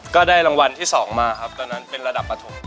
ก็ได้รางวัลที่๒มาครับตอนนั้นเป็นระดับปฐม